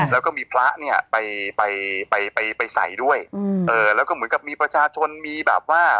แล้วก็มีพระเนี่ยไปไปไปใส่ด้วยแล้วก็เหมือนกับมีประชาชนมีแบบว่า